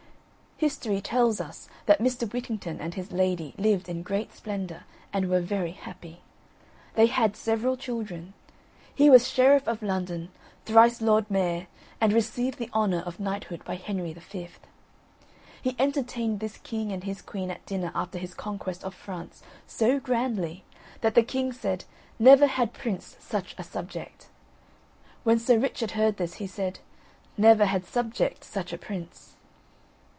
History tells us that Mr. Whittington and his lady liven in great splendour, and were very happy. They had several children. He was Sheriff of London, thrice Lord Mayor, and received the honour of knighthood by Henry V. He entertained this king and his queen at dinner after his conquest of France so grandly, that the king said "Never had prince such a subject;" when Sir Richard heard this, he said: "Never had subject such a prince."